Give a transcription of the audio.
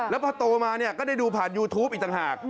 แล้วพอโตมาเนี่ยก็ได้ดูผ่านยูทูปอีกต่างหาก